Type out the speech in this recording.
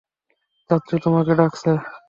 চাচ্চু তোমাকে ডাকছে।